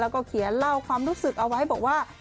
แล้วก็เขียนเล่าความรู้สึกเอาไว้บอกว่า